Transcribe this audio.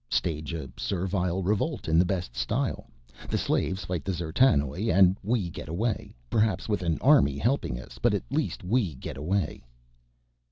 "Stage a servile revolt in the best style. The slaves fight the D'zertanoj and we get away, perhaps with an army helping us, but at least we get away."